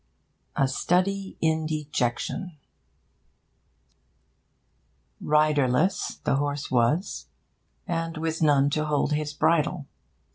A STUDY IN DEJECTION Riderless the horse was, and with none to hold his bridle.